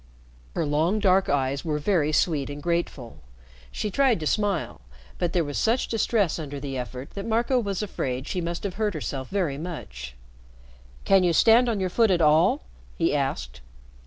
Her long, dark eyes were very sweet and grateful. She tried to smile, but there was such distress under the effort that Marco was afraid she must have hurt herself very much. "Can you stand on your foot at all?" he asked.